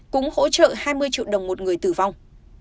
cũng hỗ trợ hai mươi triệu đồng một người tử vong